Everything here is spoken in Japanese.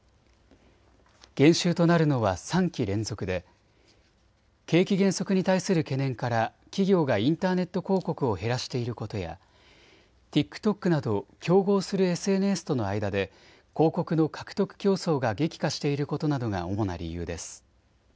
減収となるのは３期連続で景気減速に対する懸念から企業がインターネット広告を減らしていることやＴｉｋＴｏｋなど競合するＳＮＳとの間で広告の獲得競争が激化していることなどが主な理由です。